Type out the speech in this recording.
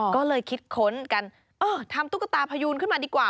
ก็เลยคิดค้นกันเออทำตุ๊กตาพยูนขึ้นมาดีกว่า